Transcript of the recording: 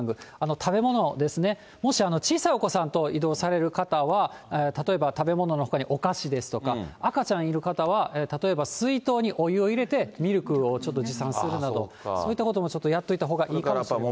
食べ物ですね、もし小さいお子さんと移動される方は、例えば食べ物のほかにお菓子ですとか、赤ちゃんいる方は、例えば水筒にお湯を入れて、ミルクをちょっと持参するなど、そういったこともやっておいたほうがいいかもしれません。